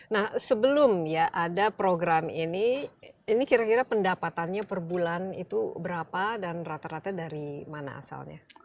nah sebelum ya ada program ini ini kira kira pendapatannya per bulan itu berapa dan rata rata dari mana asalnya